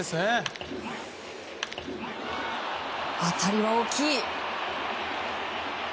当たりは大きい。